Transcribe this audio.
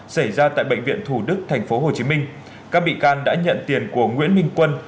xảy ra tại bệnh viện thủ đức tp hcm các bị can đã nhận tiền của nguyễn minh quân